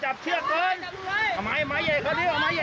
อย่าเพึ่งโอ๊ยลงไปทำไมอย่าเพิ่งลงให้น้ำ